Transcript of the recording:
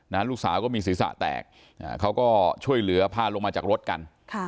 ลูกสาวก็มีศีรษะแตกเขาก็ช่วยเหลือพาลงมาจากรถกันค่ะ